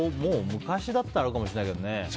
昔だったらあるかもしれないけど。